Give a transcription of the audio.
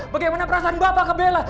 bagaimana perasaan bapak ke bella